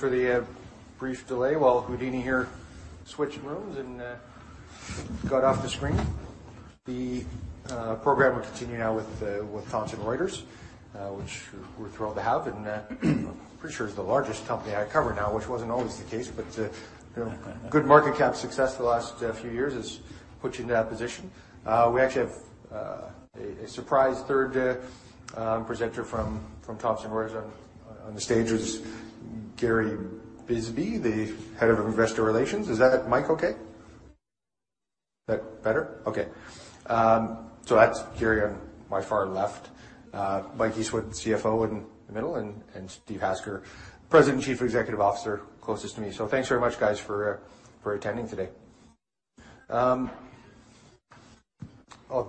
Sorry for the brief delay, while Houdini here switched rooms and got off the screen, the program will continue now with Thomson Reuters, which we're thrilled to have, and I'm pretty sure it's the largest company I cover now, which wasn't always the case, but good market cap success the last few years has put you in that position. We actually have a surprise third presenter from Thomson Reuters on the stage, who's Gary Bisbee, the Head of Investor Relations. Is that mic okay? Is that better? Okay, so that's Gary on my far left, Mike Eastwood, CFO, in the middle, and Steve Hasker, President, Chief Executive Officer, closest to me. So thanks very much, guys, for attending today. I'll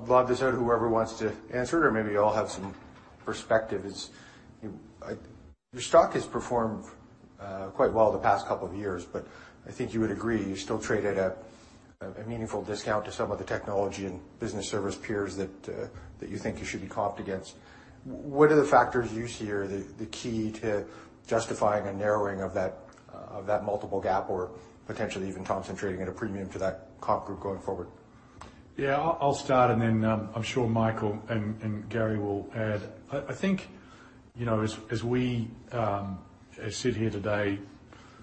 lob this out to whoever wants to answer it, or maybe you all have some perspectives. Your stock has performed quite well the past couple of years, but I think you would agree you still trade at a meaningful discount to some of the technology and business service peers that you think you should be comped against. What are the factors you see are the key to justifying a narrowing of that multiple gap or potentially even concentrating at a premium to that comp group going forward? I'll start, and then I'm sure Mike and Gary will add. I think as we sit here today,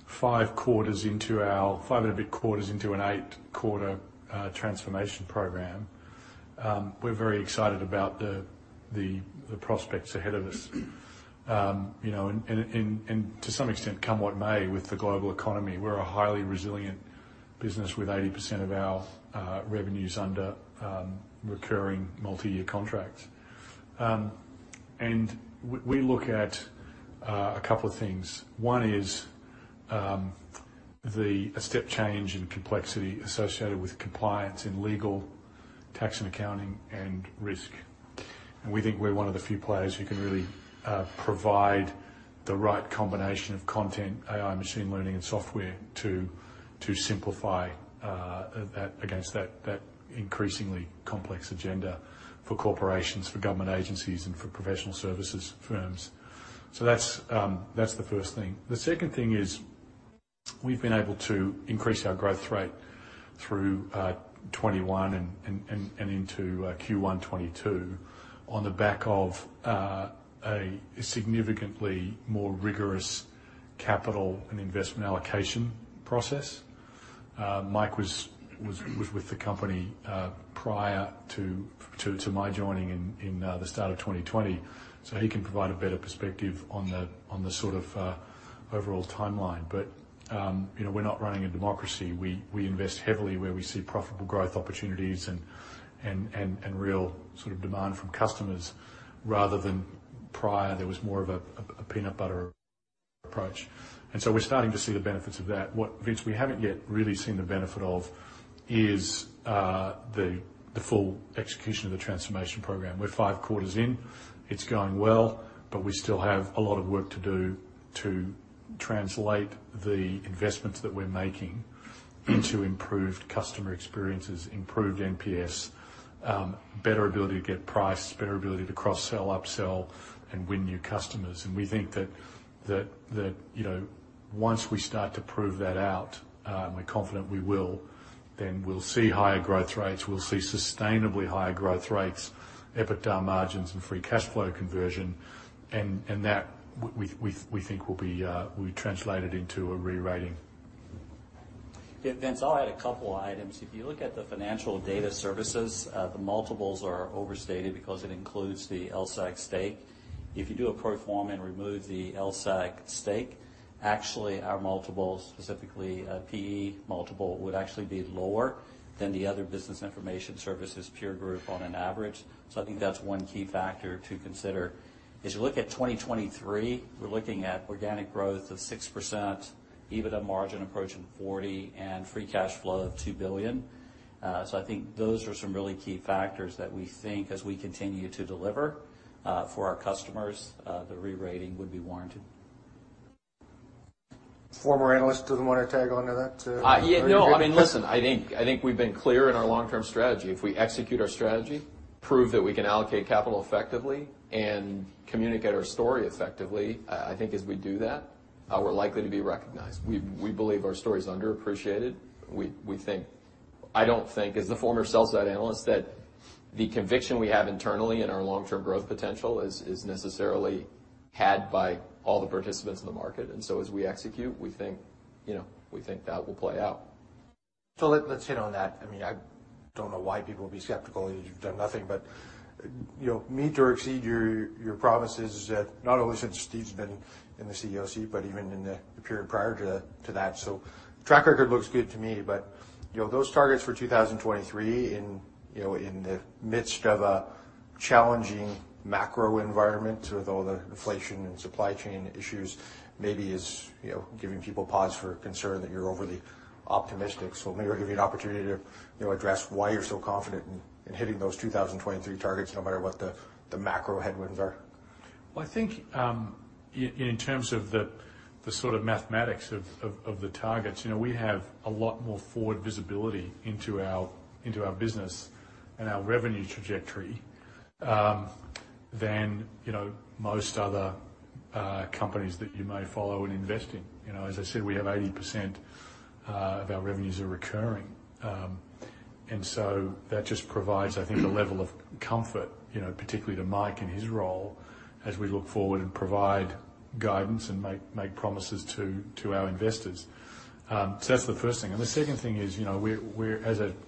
five quarters into our five and a bit quarters into an eight-quarter transformation program, we're very excited about the prospects ahead of us. And to some extent, come what may with the global economy, we're a highly resilient business with 80% of our revenues under recurring multi-year contracts. And we look at a couple of things. One is a step change in complexity associated with compliance in legal, tax, and accounting and risk. And we think we're one of the few players who can really provide the right combination of content, AI, machine learning, and software to simplify that against that increasingly complex agenda for corporations, for government agencies, and for professional services firms. So that's the first thing. The second thing is we've been able to increase our growth rate through 2021 and into Q1 2022 on the back of a significantly more rigorous capital and investment allocation process. Mike was with the company prior to my joining in the start of 2020, so he can provide a better perspective on the overall timeline. But we're not running a democracy. We invest heavily where we see profitable growth opportunities and real demand from customers, rather than prior there was more of a peanut butter approach. And so we're starting to see the benefits of that. What we haven't yet really seen the benefit of is the full execution of the transformation program. We're five quarters in. It's going well, but we still have a lot of work to do to translate the investments that we're making into improved customer experiences, improved NPS, better ability to get priced, better ability to cross-sell, upsell, and win new customers. And we think that once we start to prove that out, and we're confident we will, then we'll see higher growth rates. We'll see sustainably higher growth rates, EBITDA margins, and free cash flow conversion. And that, we think, will be translated into a re-rating. Vince, I'll add a couple of items. If you look at the financial data services, the multiples are overstated because it includes the LSEG stake. If you do a pro forma and remove the LSEG stake, actually our multiples, specifically PE multiple, would actually be lower than the other business information services, peer group, on average. So I think that's one key factor to consider. As you look at 2023, we're looking at organic growth of 6%, EBITDA margin approaching 40%, and free cash flow of $2 billion. So I think those are some really key factors that we think, as we continue to deliver for our customers, the re-rating would be warranted. Former analyst, doesn't want to tack on to that? I mean, listen, I think we've been clear in our long-term strategy. If we execute our strategy, prove that we can allocate capital effectively, and communicate our story effectively, I think as we do that, we're likely to be recognized. We believe our story is underappreciated. I don't think, as the former sell-side analyst, that the conviction we have internally in our long-term growth potential is necessarily had by all the participants in the market. And so as we execute, we think that will play out. So let's hit on that. I mean, I don't know why people would be skeptical. You've done nothing but meet or exceed your promises not only since Steve's been in the CEO seat, but even in the period prior to that. So track record looks good to me. But those targets for 2023 in the midst of a challenging macro environment with all the inflation and supply chain issues maybe is giving people pause for concern that you're overly optimistic. So maybe it'll give you an opportunity to address why you're so confident in hitting those 2023 targets no matter what the macro headwinds are. I think in terms of the mathematics of the targets, we have a lot more forward visibility into our business and our revenue trajectory than most other companies that you may follow and invest in. As I said, we have 80% of our revenues are recurring, and so that just provides, I think, a level of comfort, particularly to Mike and his role, as we look forward and provide guidance and make promises to our investors, so that's the first thing, and the second thing is,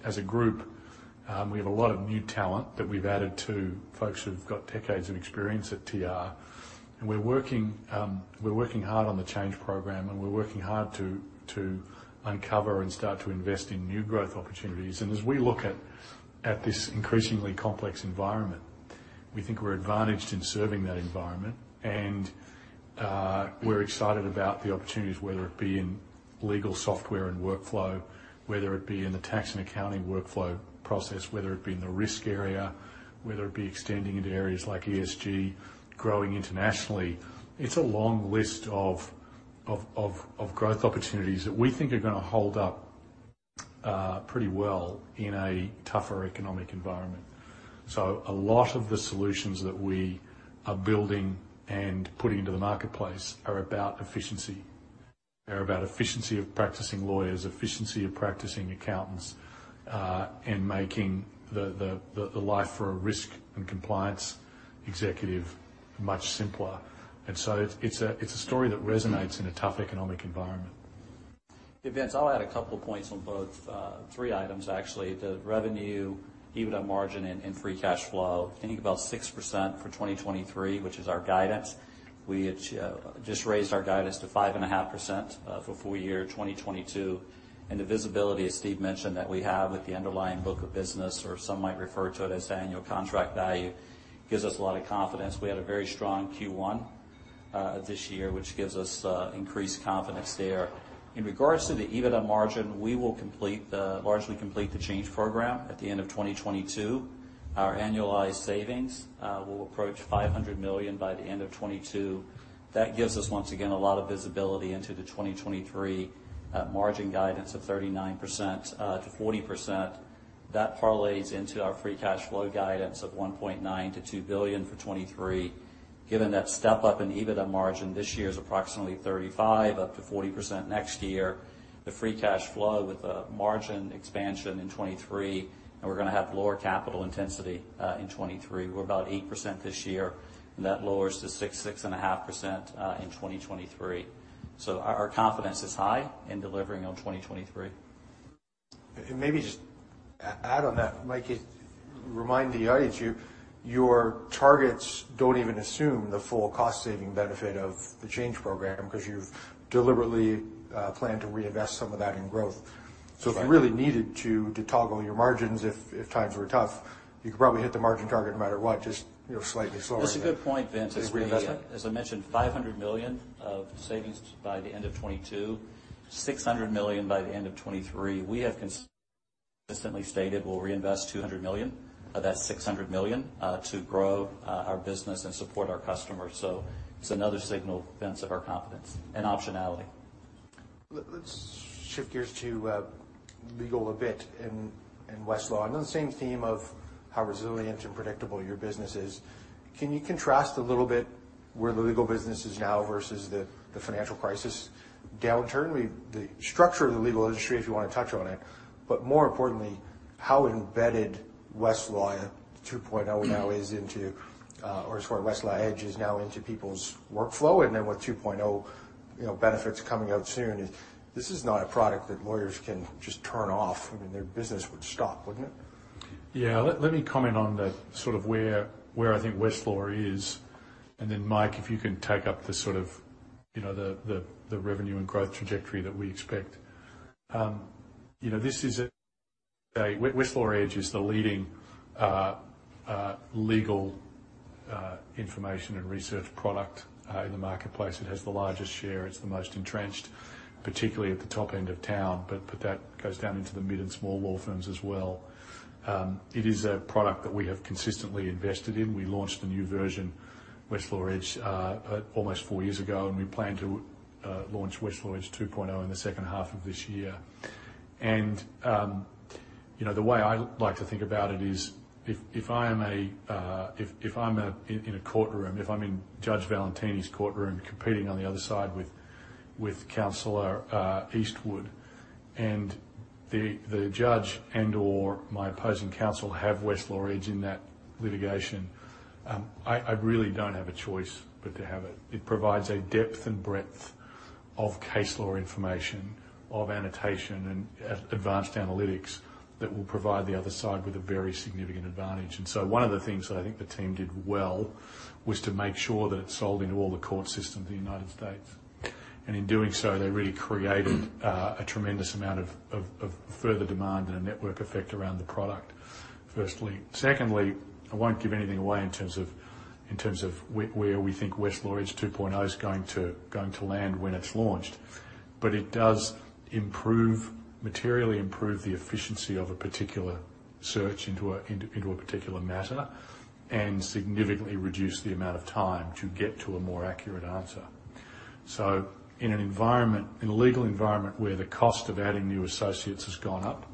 as a group, we have a lot of new talent that we've added to folks who've got decades of experience at TR, and we're working hard on the change program, and we're working hard to uncover and start to invest in new growth opportunities, and as we look at this increasingly complex environment, we think we're advantaged in serving that environment. We're excited about the opportunities, whether it be in legal software and workflow, whether it be in the tax and accounting workflow process, whether it be in the risk area, whether it be extending into areas like ESG, growing internationally. It's a long list of growth opportunities that we think are going to hold up pretty well in a tougher economic environment. A lot of the solutions that we are building and putting into the marketplace are about efficiency. They're about efficiency of practicing lawyers, efficiency of practicing accountants, and making the life for a risk and compliance executive much simpler. It's a story that resonates in a tough economic environment. Vince, I'll add a couple of points on both three items, actually. The revenue, EBITDA margin, and free cash flow. I think about 6% for 2023, which is our guidance. We just raised our guidance to 5.5% for full year 2022. And the visibility, as Steve mentioned, that we have with the underlying book of business, or some might refer to it as annual contract value, gives us a lot of confidence. We had a very strong Q1 this year, which gives us increased confidence there. In regards to the EBITDA margin, we will largely complete the change program at the end of 2022. Our annualized savings will approach $500 million by the end of 2022. That gives us, once again, a lot of visibility into the 2023 margin guidance of 39%-40%. That parlays into our free cash flow guidance of $1.9-$2 billion for 2023. Given that step up in EBITDA margin this year is approximately 35%-40% next year, the free cash flow with a margin expansion in 2023, and we're going to have lower capital intensity in 2023. We're about 8% this year, and that lowers to 6-6.5% in 2023. So our confidence is high in delivering on 2023. Maybe just add on that, Mike. Remind the audience your targets don't even assume the full cost-saving benefit of the change program because you've deliberately planned to reinvest some of that in growth. If you really needed to toggle your margins if times were tough, you could probably hit the margin target no matter what, just slightly slower than you would. That's a good point, Vince. As I mentioned, $500 million of savings by the end of 2022, $600 million by the end of 2023. We have consistently stated we'll reinvest $200 million, of that $600 million, to grow our business and support our customers. So it's another signal, Vince, of our confidence and optionality. Let's shift gears to Legal a bit and Westlaw. And on the same theme of how resilient and predictable your business is, can you contrast a little bit where the legal business is now versus the financial crisis downturn? The structure of the legal industry, if you want to touch on it. But more importantly, how embedded Westlaw Edge 2.0 now is into, or Westlaw Edge is now into people's workflow. And then with 2.0 benefits coming out soon, this is not a product that lawyers can just turn off. I mean, their business would stop, wouldn't it? Let me comment on where I think Westlaw is. And then, Mike, if you can take up the revenue and growth trajectory that we expect. Westlaw Edge is the leading legal information and research product in the marketplace. It has the largest share. It's the most entrenched, particularly at the top end of town. But that goes down into the mid and small law firms as well. It is a product that we have consistently invested in. We launched the new version, Westlaw Edge, almost four years ago, and we plan to launch Westlaw Edge 2.0 in the second half of this year. The way I like to think about it is if I'm in a courtroom, if I'm in Judge Valentini's courtroom competing on the other side with Counselor Eastwood, and the judge and/or my opposing counsel have Westlaw Edge in that litigation, I really don't have a choice but to have it. It provides a depth and breadth of case law information, of annotation and advanced analytics that will provide the other side with a very significant advantage. So one of the things that I think the team did well was to make sure that it sold into all the court systems in the United States. And in doing so, they really created a tremendous amount of further demand and a network effect around the product, firstly. Secondly, I won't give anything away in terms of where we think Westlaw Edge 2.0 is going to land when it's launched, but it does materially improve the efficiency of a particular search into a particular matter and significantly reduce the amount of time to get to a more accurate answer. So in a legal environment where the cost of adding new associates has gone up,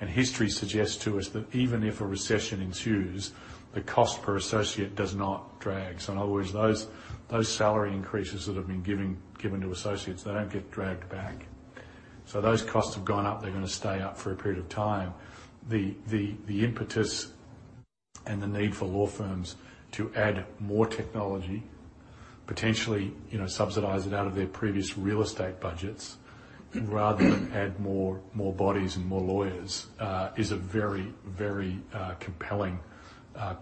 and history suggests to us that even if a recession ensues, the cost per associate does not drag. So in other words, those salary increases that have been given to associates, they don't get dragged back. So those costs have gone up. They're going to stay up for a period of time. The impetus and the need for law firms to add more technology, potentially subsidize it out of their previous real estate budgets rather than add more bodies and more lawyers, is a very, very compelling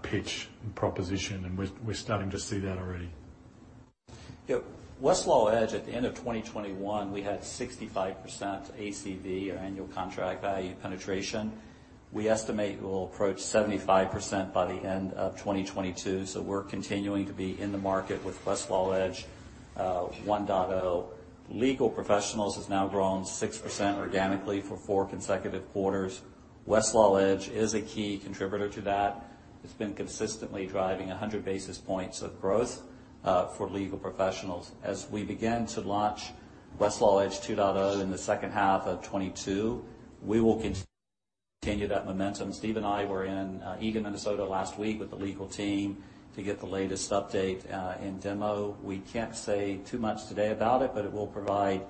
pitch and proposition. And we're starting to see that already. Westlaw Edge, at the end of 2021, we had 65% ACV, or annual contract value, penetration. We estimate we'll approach 75% by the end of 2022, so we're continuing to be in the market with Westlaw Edge 1.0. Legal Professionals has now grown 6% organically for four consecutive quarters. Westlaw Edge is a key contributor to that. It's been consistently driving 100 basis points of growth for Legal Professionals. As we begin to launch Westlaw Edge 2.0 in the second half of 2022, we will continue that momentum. Steve and I were in Eagan, Minnesota, last week with the legal team to get the latest update and demo. We can't say too much today about it, but it will provide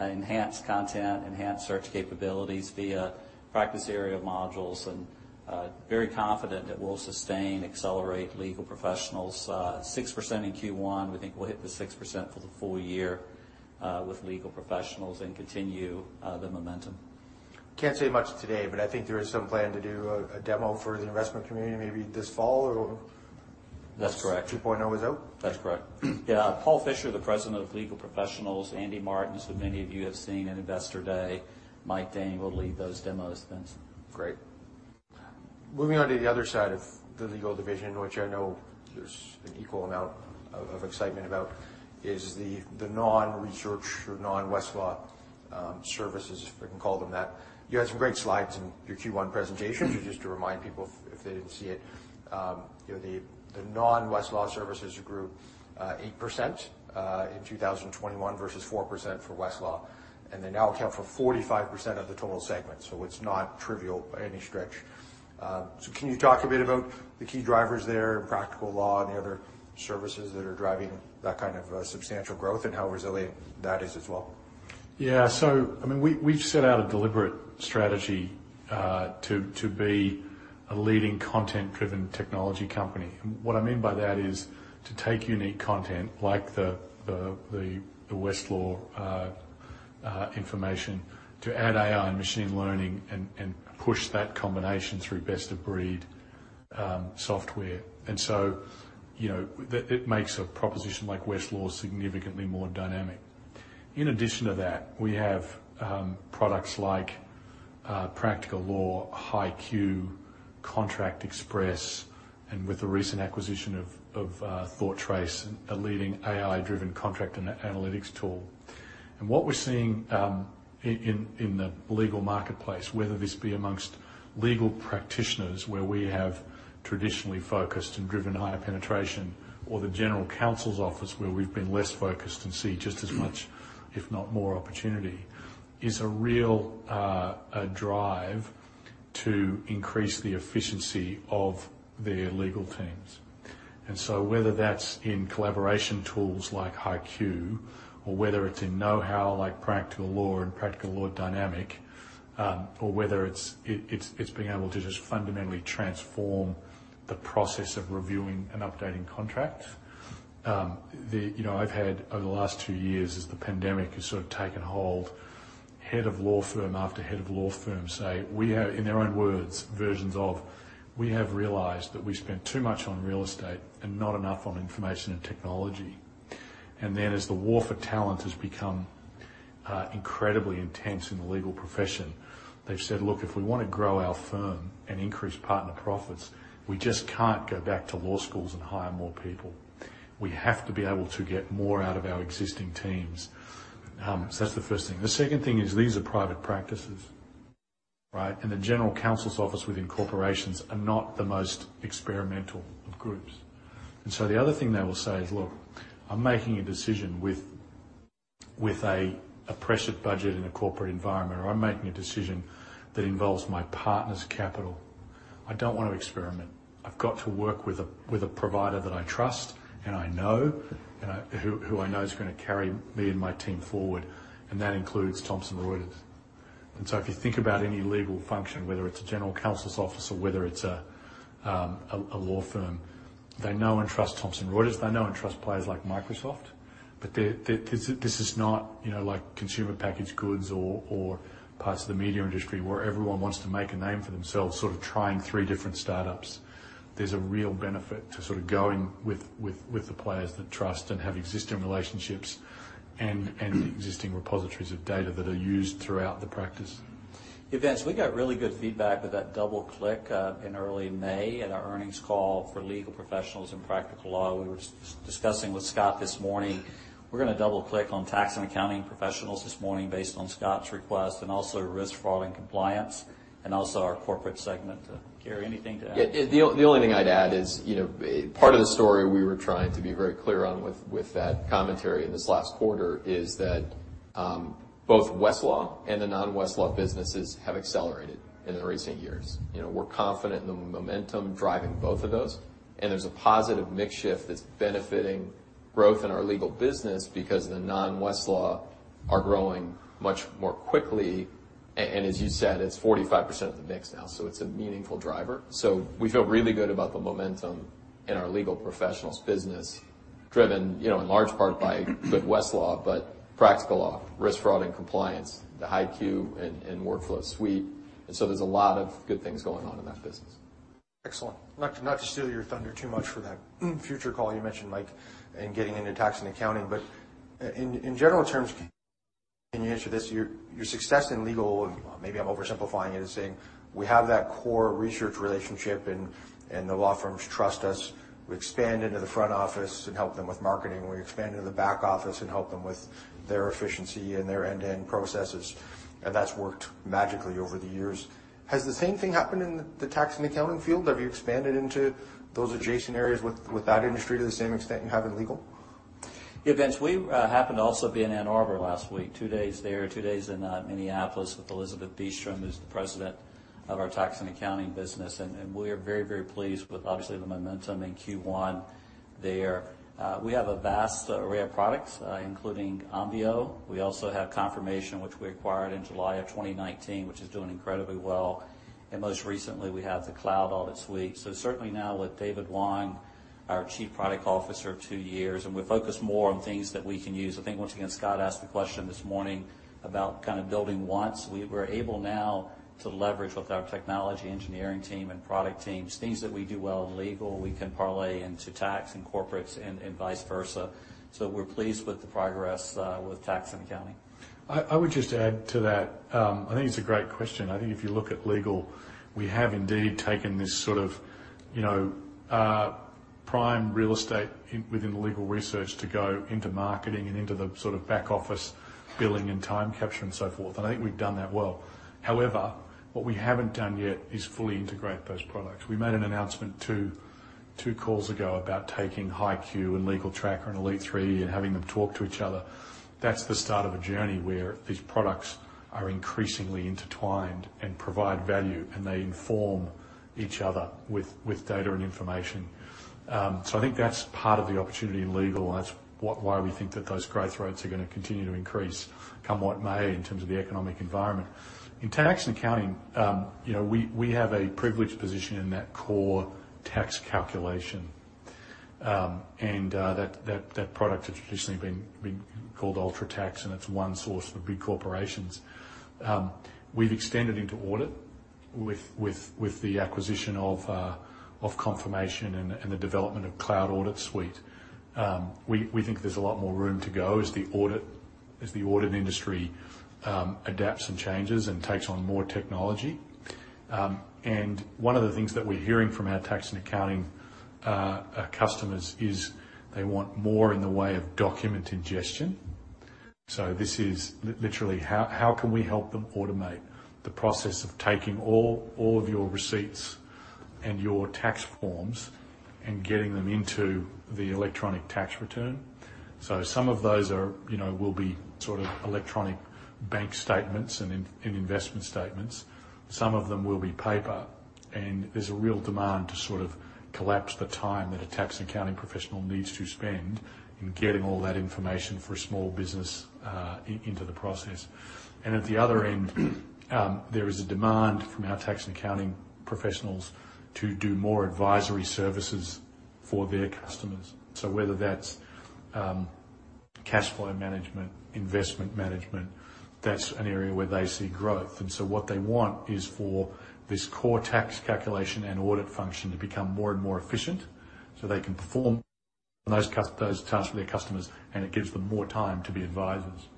enhanced content, enhanced search capabilities via practice area modules, and very confident that we'll sustain, accelerate Legal Professionals 6% in Q1. We think we'll hit the 6% for the full year with Legal Professionals and continue the momentum. Can't say much today, but I think there is some plan to do a demo for the investment community maybe this fall or. That's correct. 2.0 is out? That's correct. Paul Fischer, the President of Legal Professionals, Andy Martens, who many of you have seen at Investor Day. Mike Dang will lead those demos, Vince. Great. Moving on to the other side of the legal division, which I know there's an equal amount of excitement about, is the non-research or non-Westlaw services, if we can call them that. You had some great slides in your Q1 presentation, just to remind people if they didn't see it. The non-Westlaw services grew 8% in 2021 versus 4% for Westlaw. And they now account for 45% of the total segment. So it's not trivial by any stretch. So can you talk a bit about the key drivers there and Practical Law and the other services that are driving that substantial growth and how resilient that is as well? So I mean, we've set out a deliberate strategy to be a leading content-driven technology company. And what I mean by that is to take unique content like the Westlaw information, to add AI and machine learning, and push that combination through best-of-breed software. And so it makes a proposition like Westlaw significantly more dynamic. In addition to that, we have products like Practical Law, HighQ, Contract Express, and with the recent acquisition of ThoughtTrace, a leading AI-driven contract analytics tool. And what we're seeing in the legal marketplace, whether this be amongst legal practitioners where we have traditionally focused and driven higher penetration, or the general counsel's office where we've been less focused and see just as much, if not more opportunity, is a real drive to increase the efficiency of their legal teams. Whether that's in collaboration tools like HighQ, or whether it's in know-how like Practical Law and Practical Law Dynamic, or whether it's being able to just fundamentally transform the process of reviewing and updating contracts. I've had, over the last two years, as the pandemic has taken hold, head of law firm after head of law firm say, in their own words, versions of, "We have realized that we spent too much on real estate and not enough on information and technology." Then as the war for talent has become incredibly intense in the legal profession, they've said, "Look, if we want to grow our firm and increase partner profits, we just can't go back to law schools and hire more people. We have to be able to get more out of our existing teams." That's the first thing. The second thing is these are private practices, right? And the general counsel's office within corporations are not the most experimental of groups, and so the other thing they will say is, "Look, I'm making a decision with a pressured budget in a corporate environment, or I'm making a decision that involves my partner's capital. I don't want to experiment. I've got to work with a provider that I trust and I know, who I know is going to carry me and my team forward," and that includes Thomson Reuters, and so if you think about any legal function, whether it's a general counsel's office or whether it's a law firm, they know and trust Thomson Reuters. They know and trust players like Microsoft. But this is not like consumer packaged goods or parts of the media industry where everyone wants to make a name for themselves trying three different startups. There's a real benefit to going with the players that trust and have existing relationships and existing repositories of data that are used throughout the practice. Vince, we got really good feedback with that double-click in early May at our earnings call for Legal Professionals and Practical Law. We were discussing with Scott this morning. We're going to double-click on Tax and Accounting Professionals this morning based on Scott's request and also Risk, Fraud and Compliance and also our Corporate segment. Gary, anything to add? The only thing I'd add is part of the story we were trying to be very clear on with that commentary in this last quarter is that both Westlaw and the non-Westlaw businesses have accelerated in the recent years. We're confident in the momentum driving both of those, and there's a positive mix shift that's benefiting growth in our legal business because the non-Westlaw are growing much more quickly, as you said. It's 45% of the mix now, so it's a meaningful driver. We feel really good about the momentum in our legal professionals business driven in large part by good Westlaw, but Practical Law, risk fraud and compliance, the HighQ and workflow suite, so there's a lot of good things going on in that business. Excellent. Not to steal your thunder too much for that future call you mentioned, Mike, and getting into tax and accounting. But in general terms, can you answer this? Your success in legal, maybe I'm oversimplifying it, is saying we have that core research relationship and the law firms trust us. We expand into the front office and help them with marketing. We expand into the back office and help them with their efficiency and their end-to-end processes. And that's worked magically over the years. Has the same thing happened in the tax and accounting field? Have you expanded into those adjacent areas with that industry to the same extent you have in legal? Vince, we happened to also be in Ann Arbor last week, two days there, two days in Minneapolis with Elizabeth Beastrom, who's the president of our tax and accounting business. We are very, very pleased with, obviously, the momentum in Q1 there. We have a vast array of products, including Onvio. We also have Confirmation, which we acquired in July of 2019, which is doing incredibly well. Most recently, we have the Cloud Audit Suite. Certainly now with David Wong, our Chief Product Officer of two years, and we're focused more on things that we can use. I think, once again, Scott asked the question this morning about building once. We're able now to leverage with our technology engineering team and product teams, things that we do well in legal, we can parlay into tax and corporates and vice versa. We're pleased with the progress with tax and accounting. I would just add to that. I think it's a great question. I think if you look at legal, we have indeed taken this prime real estate within legal research to go into marketing and into the sort of back office billing and time capture and so forth, and I think we've done that well. However, what we haven't done yet is fully integrate those products. We made an announcement two calls ago about taking HighQ and LegalTracker and Elite 3 and having them talk to each other. That's the start of a journey where these products are increasingly intertwined and provide value, and they inform each other with data and information, so I think that's part of the opportunity in legal, and that's why we think that those growth rates are going to continue to increase come what may in terms of the economic environment. In tax and accounting, we have a privileged position in that core tax calculation, and that product has traditionally been called UltraTax, and it's one source for big corporations. We've extended into audit with the acquisition of Confirmation and the development of Cloud Audit Suite. We think there's a lot more room to go as the audit industry adapts and changes and takes on more technology, and one of the things that we're hearing from our tax and accounting customers is they want more in the way of document ingestion. So this is literally, how can we help them automate the process of taking all of your receipts and your tax forms and getting them into the electronic tax return, so some of those will be sort of electronic bank statements and investment statements. Some of them will be paper. And there's a real demand to sort of collapse the time that a tax and accounting professional needs to spend in getting all that information for a small business into the process. And at the other end, there is a demand from our tax and accounting professionals to do more advisory services for their customers. So whether that's cash flow management, investment management, that's an area where they see growth. And so what they want is for this core tax calculation and audit function to become more and more efficient so they can perform those tasks for their customers, and it gives them more time to be advisors.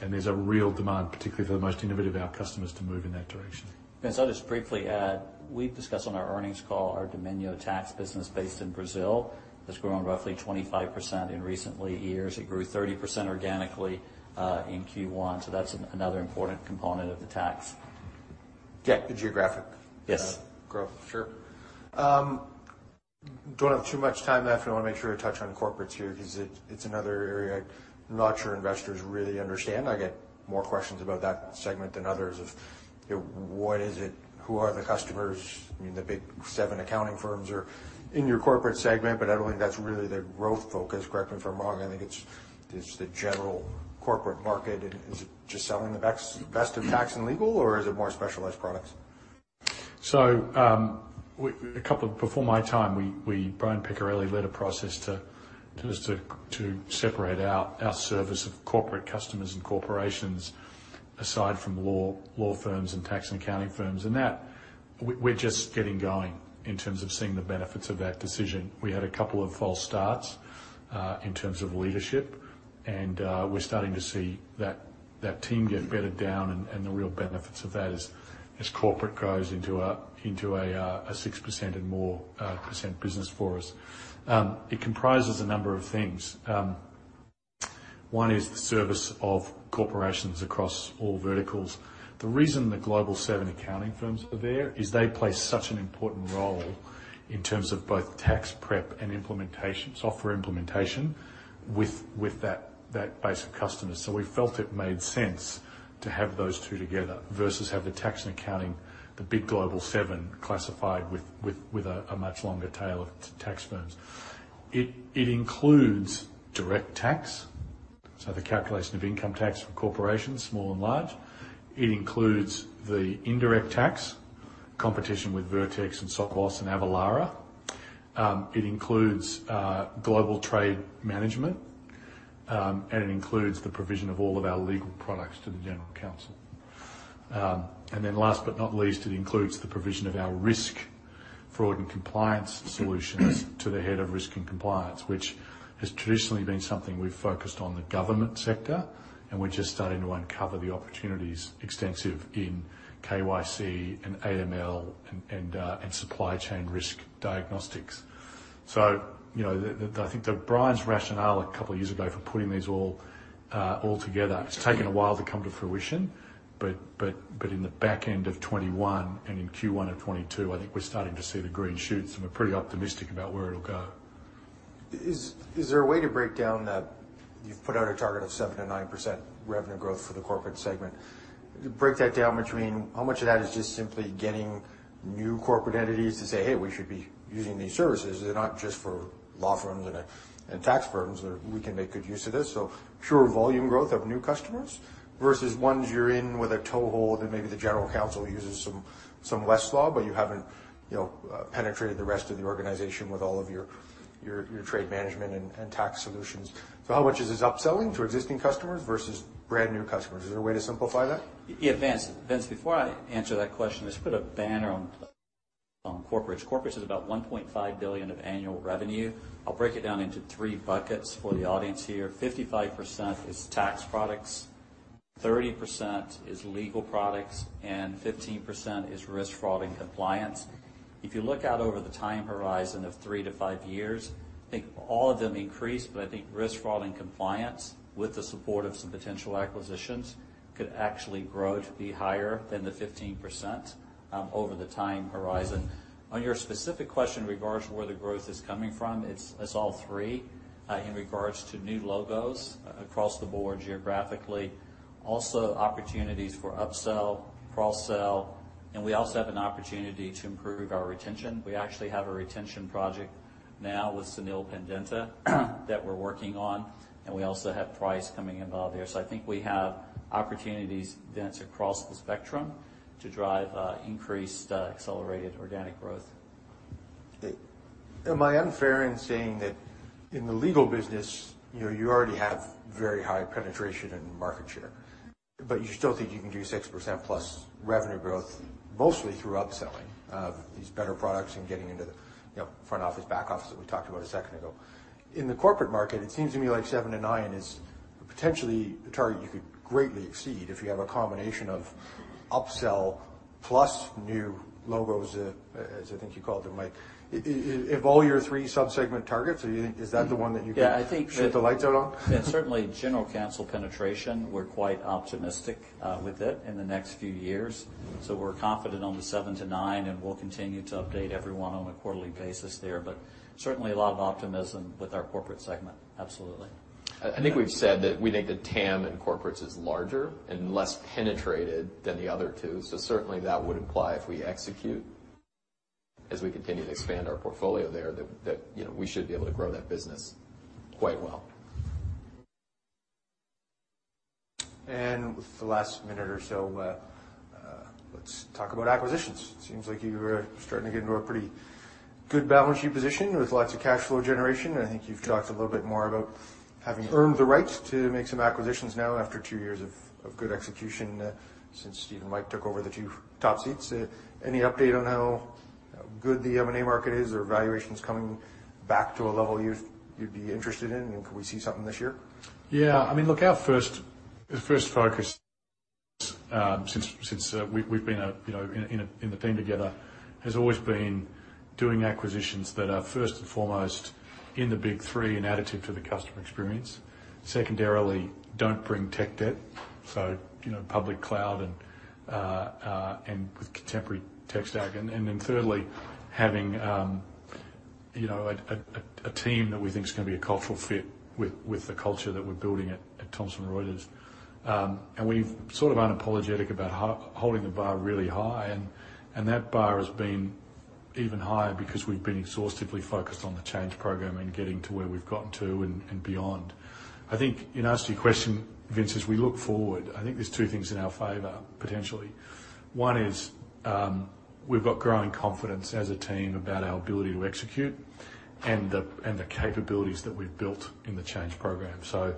And there's a real demand, particularly for the most innovative of our customers, to move in that direction. Vince, I'll just briefly add, we've discussed on our earnings call our Domínio tax business based in Brazil. It's grown roughly 25% in recent years. It grew 30% organically in Q1. So that's another important component of the tax. The geographic growth. Sure. Don't have too much time left. I want to make sure I touch on corporates here because it's another area I'm not sure investors really understand. I get more questions about that segment than others of what is it, who are the customers. I mean, the big seven accounting firms in your corporate segment, but I don't think that's really the growth focus. Correct me if I'm wrong. I think it's the general corporate market, and is it just selling the best of tax and legal, or is it more specialized products? So a couple of before my time, when Brian Peccarelli led a process to separate out our service of corporate customers and corporations aside from law firms and tax and accounting firms. And that we're just getting going in terms of seeing the benefits of that decision. We had a couple of false starts in terms of leadership, and we're starting to see that team get better down. And the real benefits of that is corporate goes into a 6% and more percent business for us. It comprises a number of things. One is the service of corporations across all verticals. The reason the global seven accounting firms are there is they play such an important role in terms of both tax prep and software implementation with that base of customers. So we felt it made sense to have those two together versus have the tax and accounting, the big global seven classified with a much longer tail of tax firms. It includes direct tax, so the calculation of income tax for corporations, small and large. It includes the indirect tax, competition with Vertex and Sovos and Avalara. It includes global trade management, and it includes the provision of all of our legal products to the general counsel. And then last but not least, it includes the provision of our risk fraud and compliance solutions to the head of risk and compliance, which has traditionally been something we've focused on the government sector, and we're just starting to uncover the opportunities extensive in KYC and AML and supply chain risk diagnostics. So I think that Brian's rationale a couple of years ago for putting these all together, it's taken a while to come to fruition, but in the back end of 2021 and in Q1 of 2022, I think we're starting to see the green shoots, and we're pretty optimistic about where it'll go. Is there a way to break down that you've put out a target of 7%-9% revenue growth for the corporate segment? Break that down between how much of that is just simply getting new corporate entities to say, "Hey, we should be using these services." They're not just for law firms and tax firms that we can make good use of this. So pure volume growth of new customers versus ones you're in with a toehold and maybe the general counsel uses some Westlaw, but you haven't penetrated the rest of the organization with all of your trade management and tax solutions. So how much is this upselling to existing customers versus brand new customers? Is there a way to simplify that? Before I answer that question, let's put a banner on corporates. Corporates is about $1.5 billion of annual revenue. I'll break it down into three buckets for the audience here. 55% is tax products, 30% is legal products, and 15% is risk fraud and compliance. If you look out over the time horizon of three to five years, I think all of them increase, but I think risk fraud and compliance with the support of some potential acquisitions could actually grow to be higher than the 15% over the time horizon. On your specific question in regards to where the growth is coming from, it's all three in regards to new logos across the board geographically. Also opportunities for upsell, cross-sell, and we also have an opportunity to improve our retention. We actually have a retention project now with Sunil Pandita that we're working on, and we also have price coming in while there. So I think we have opportunities, Vince, across the spectrum to drive increased accelerated organic growth. Am I unfair in saying that in the legal business, you already have very high penetration and market share, but you still think you can do 6% plus revenue growth mostly through upselling of these better products and getting into the front office, back office that we talked about a second ago? In the corporate market, it seems to me like 7%-9% is potentially a target you could greatly exceed if you have a combination of upsell plus new logos, as I think you called them, Mike. Of all your three subsegment targets, is that the one that you can shed light on? I think certainly general counsel penetration, we're quite optimistic with it in the next few years. So we're confident on the 7-9, and we'll continue to update everyone on a quarterly basis there. But certainly a lot of optimism with our corporate segment. Absolutely. I think we've said that we think that TAM and corporates is larger and less penetrated than the other two. So certainly that would imply if we execute as we continue to expand our portfolio there that we should be able to grow that business quite well. And with the last minute or so, let's talk about acquisitions. It seems like you are starting to get into a pretty good balance sheet position with lots of cash flow generation. I think you've talked a little bit more about having earned the right to make some acquisitions now after two years of good execution since Steve and Mike took over the two top seats. Any update on how good the M&A market is or valuations coming back to a level you'd be interested in? And can we see something this year? I mean, look, our first focus since we've been in the team together has always been doing acquisitions that are first and foremost in the big three in additive to the customer experience. Secondarily, don't bring tech debt. So public cloud and with contemporary tech stack. And then thirdly, having a team that we think is going to be a cultural fit with the culture that we're building at Thomson Reuters. And we've sort of been unapologetic about holding the bar really high. And that bar has been even higher because we've been exhaustively focused on the change program and getting to where we've gotten to and beyond. I think in answer to your question, Vince, is we look forward. I think there's two things in our favor potentially. One is we've got growing confidence as a team about our ability to execute and the capabilities that we've built in the change program. So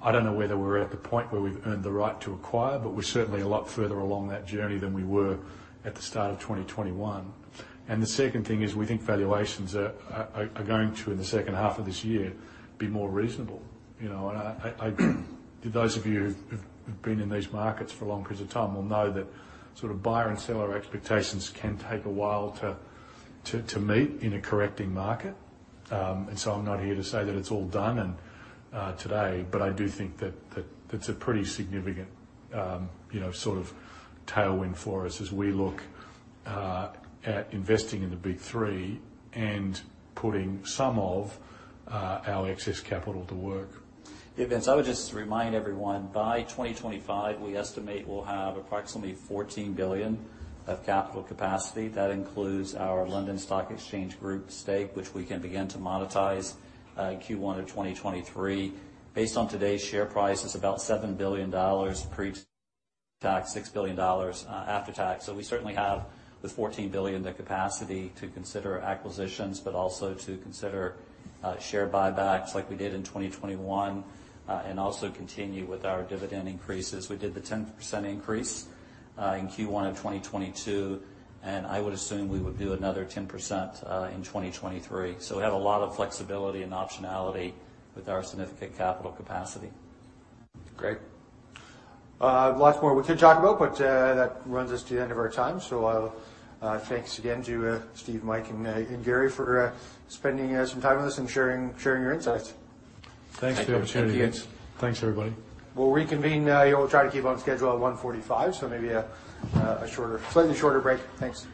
I don't know whether we're at the point where we've earned the right to acquire, but we're certainly a lot further along that journey than we were at the start of 2021. And the second thing is we think valuations are going to, in the second half of this year, be more reasonable. Those of you who've been in these markets for a long period of time will know that buyer and seller expectations can take a while to meet in a correcting market. And so I'm not here to say that it's all done today, but I do think that it's a pretty significant tailwind for us as we look at investing in the big three and putting some of our excess capital to work. Vince, I would just remind everyone, by 2025, we estimate we'll have approximately $14 billion of capital capacity. That includes our London Stock Exchange Group stake, which we can begin to monetize Q1 of 2023. Based on today's share price, it's about $7 billion pre-tax, $6 billion after-tax. So we certainly have, with $14 billion, the capacity to consider acquisitions, but also to consider share buybacks like we did in 2021 and also continue with our dividend increases. We did the 10% increase in Q1 of 2022, and I would assume we would do another 10% in 2023. So we have a lot of flexibility and optionality with our significant capital capacity. Great. Lots more we could talk about, but that runs us to the end of our time. So thanks again to Steve, Mike, and Gary for spending some time with us and sharing your insights. Thanks for the opportunity. Thanks, everybody. We'll reconvene. We'll try to keep on schedule at 1:45 P.M., so maybe a slightly shorter break. Thanks.